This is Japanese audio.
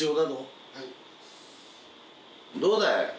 どうだい？